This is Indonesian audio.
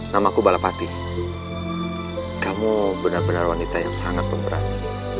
namaku balapati kamu benar benar wanita yang sangat memberani